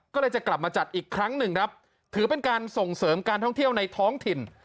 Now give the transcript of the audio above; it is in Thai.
ก็เลยจะกลับมาจัดอีกครั้งหนึ่งครับถือเป็นการส่งเสริมการท่องเที่ยวในท้องถิ่น